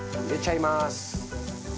入れちゃいます。